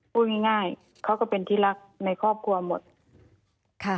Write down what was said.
พูดง่ายเขาก็เป็นที่รักในครอบครัวหมดค่ะ